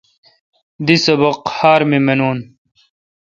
دی سبق خار می مینون۔